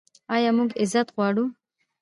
آیا موږ عزت غواړو؟